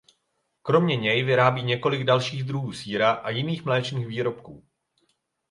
Kromě něj vyrábí několik dalších druhů sýra a jiných mléčných výrobků.